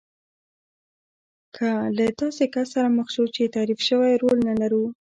که له داسې کس سره مخ شو چې تعریف شوی رول نه لرو.